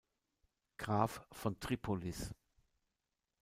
Graf von Tripolis.